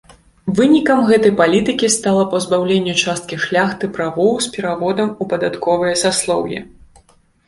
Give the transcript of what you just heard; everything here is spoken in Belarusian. Вынікам гэтай палітыкі стала пазбаўленне часткі шляхты правоў з пераводам у падатковыя саслоўі.